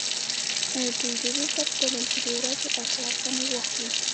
دوی د دې کار په بدل کې د ورځې اتیا افغانۍ واخلي